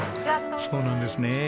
そうなんですね。